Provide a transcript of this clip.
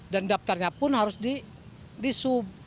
dan daftarnya pun harus di sub